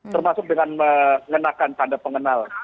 termasuk dengan mengenakan tanda pengenal